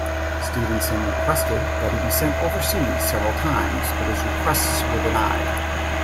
Stevenson requested that he be sent overseas several times but his requests were denied.